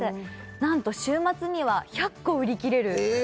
なんと週末には１００個売り切れるえ！